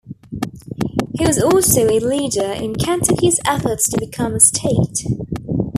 He was also a leader in Kentucky's efforts to become a state.